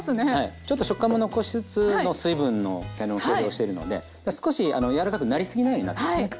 ちょっと食感も残しつつの水分のをしてるので少しあの柔らかくなりすぎないようになってますね。